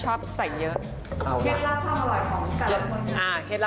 ฉันทำอย่างไงวะเนี้ย